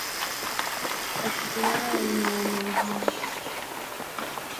asili yao na ya maingiliano yao na makabila mengine Kabila la Kichagga ni mkusanyiko